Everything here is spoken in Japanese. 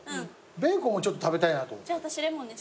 ベーコンもちょっと食べたいなと。